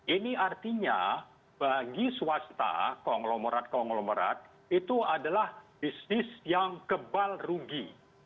ini artinya bagi swasta konglomerat konglomerat itu adalah bisnis yang kebal rugi